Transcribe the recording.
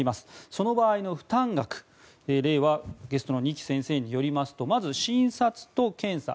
その場合の負担額ゲストの二木先生によりますとまず、診察と検査